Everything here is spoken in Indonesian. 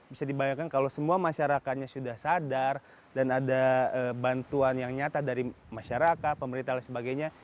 bisa dibayangkan kalau semua masyarakatnya sudah sadar dan ada bantuan yang nyata dari masyarakat pemerintah dan sebagainya